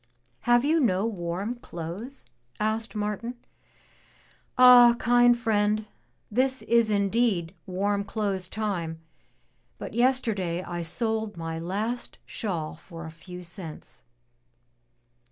'' "Have you no warm clothes?" asked Martin. *' Ah, kind friend, this is indeed warm clothes time, but yester day I sold my last shawl for a few cents."